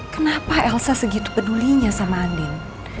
kenapa elsa segitu pedulinya sama andin